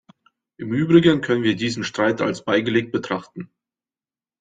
Im Übrigen können wir diesen Streit als beigelegt betrachten.